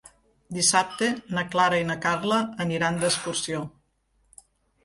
Dissabte na Clara i na Carla aniran d'excursió.